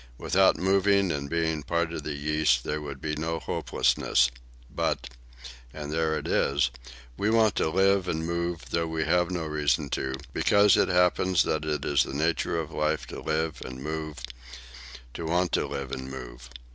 Without moving and being part of the yeast there would be no hopelessness. But,—and there it is,—we want to live and move, though we have no reason to, because it happens that it is the nature of life to live and move, to want to live and move.